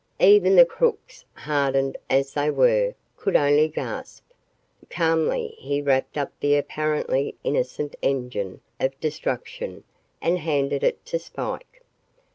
Even the crooks, hardened as they were, could only gasp. Calmly he wrapped up the apparently innocent engine of destruction and handed it to Spike.